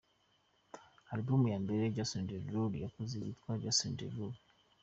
Album ya mbere Jason Derulo yakoze yitwaga Jason Derulo.